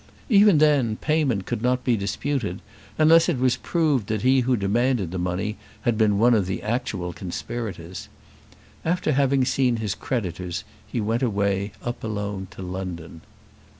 Even then payment could not be disputed, unless it was proved that he who demanded the money had been one of the actual conspirators. After having seen his creditors he went away up alone to London.